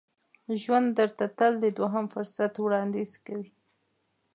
ژوند درته تل د دوهم فرصت وړاندیز کوي.